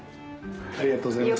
ありがとうございます。